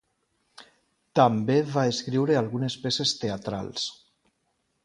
També va escriure algunes peces teatrals.